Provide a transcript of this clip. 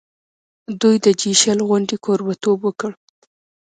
دوی د جي شل غونډې کوربه توب وکړ.